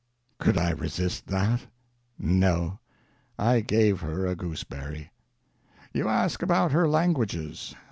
Could I resist that? No. I gave her a gooseberry. You ask about her languages.